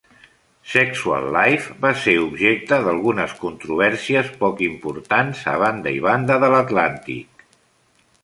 "Sexual Life" va ser objecte d"algunes controvèrsies poc importants a banda i banda de l'Atlàntic.